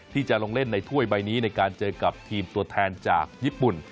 ที่จะลงเล่นในถ้วยใบนี้ในการเจอกับทีมตัวแทนจากญี่ปุ่น